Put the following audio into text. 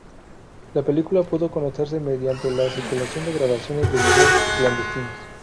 La película pudo conocerse mediante la circulación de grabaciones de videos clandestinos.